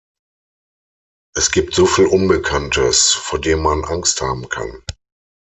Es gibt so viel Unbekanntes, vor dem man Angst haben kann.